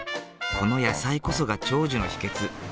この野菜こそが長寿の秘けつ。